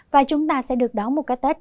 và chúng ta sẽ được đón một cái tết